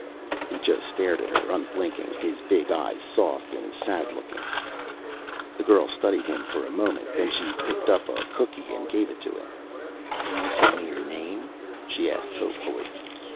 He just stared at her, unblinking, his big eyes soft and sad looking. The girl studied him for a moment, then she picked up a cookie and gave it to him. "Can you tell me your name?" she asked hopefully.